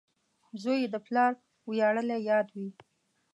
• زوی د پلار ویاړلی یاد وي.